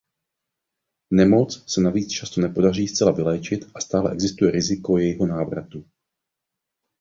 Nemoc se navíc často nepodaří zcela vyléčit a stále existuje riziko jejího návratu.